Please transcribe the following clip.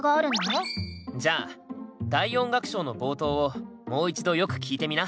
じゃ第４楽章の冒頭をもう一度よく聴いてみな。